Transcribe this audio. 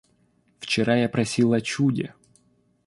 Вчера я просил о чуде.